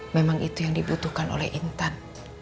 memang itu yang dibutuhkan oleh intan